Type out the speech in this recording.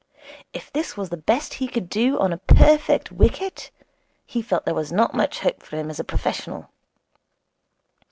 If this was the best he could do on a perfect wicket, he felt there was not much hope for him as a professional.